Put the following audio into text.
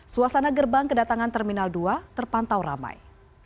suasana gerbang kedatangan terminal dua terpantau ramai